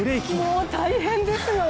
もう大変ですよ